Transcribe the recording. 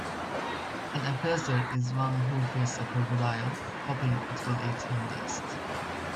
An appeaser is one who feeds a crocodile – hoping it will eat him last.